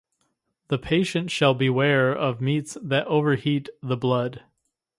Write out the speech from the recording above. The patient shall beware of meats that overheat the blood.